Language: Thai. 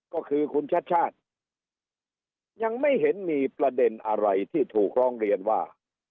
ก็คือคุณชัดชาติยังไม่เห็นมีประเด็นอะไรที่ถูกร้องเรียนว่า